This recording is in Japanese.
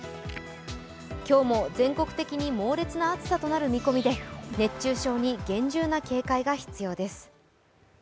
今日も全国的に猛烈な暑さとなる見込みで熱中症に厳重な警戒が必要です。